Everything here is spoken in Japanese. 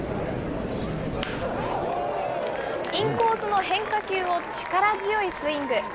インコースの変化球を力強いスイング。